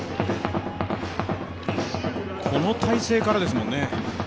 この体勢からですもんね。